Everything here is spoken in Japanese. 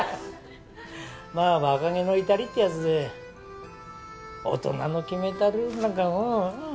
まあ若気の至りってやつで大人の決めたルールなんかもう。